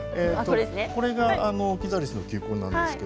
これがオキザリスの球根です。